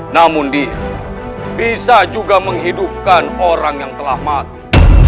namun bisa juga menghidupkan orang yang telah mati